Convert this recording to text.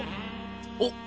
おっ。